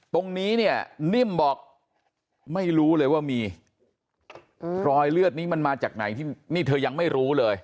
ตรงนี้เนี่ยนิ่มบอกไม่รู้เลยว่ามีรอยเลือดนี้มันมาจากไหนที่นี่เธอยังไม่รู้เลย